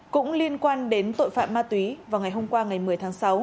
cũng liên quan đến tội phạm ma túy vào ngày hôm qua ngày một mươi tháng sáu